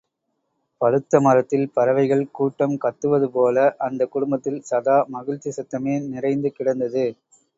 பழுத்தமரத்தில் பறவைகள் கூட்டம் கத்துவது போல, அந்தக் குடும்பத்தில் சதா மகிழ்ச்சி சத்தமே நிறைந்து கிடந்தது.